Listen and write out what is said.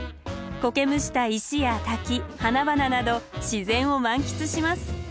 こけむした石や滝花々など自然を満喫します。